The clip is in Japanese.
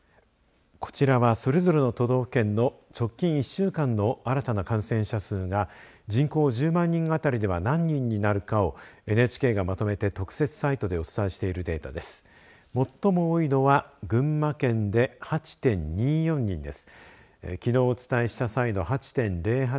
こちらはそれぞれの都道府県の直近１週間の新たな感染者数が人口１０万人あたりでは何人になるかをＮＨＫがまとめて特設サイトでお伝えしているデータです。